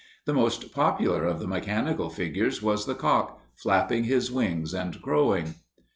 The most popular of the mechanical figures was the cock, flapping his wings and crowing.